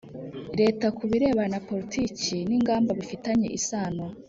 Leta ku birebana na politiki n ingamba bifitanye isano